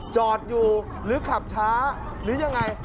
จอดอยู่หรือขับช้าหรือยังไง